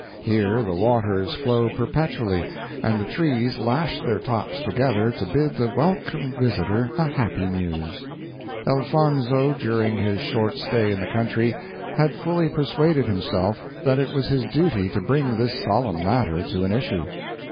Here the waters flow perpetually, and the trees lash their tops together to bid the welcome visitor a happy muse. Elfonzo, during his short stay in the country, had fully persuaded himself that it was his duty to bring this solemn matter to an issue.